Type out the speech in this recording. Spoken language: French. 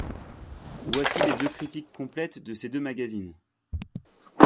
Voici les deux critiques complète de ces deux magazines.